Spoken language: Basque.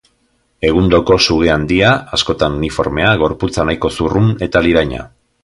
Egundoko suge handia, askotan uniformea, gorputza nahiko zurrun eta liraina.